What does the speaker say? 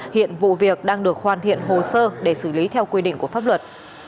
hiện vụ việc đang được hoàn thiện hồ sơ để xử lý theo quy định của pháp luật